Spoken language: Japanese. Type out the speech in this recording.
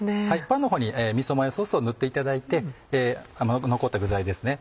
パンのほうにみそマヨソースを塗っていただいて残った具材ですね